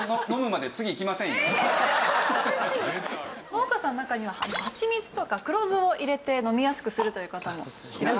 農家さんの中にははちみつとか黒酢を入れて飲みやすくするという方もいらっしゃいましたね。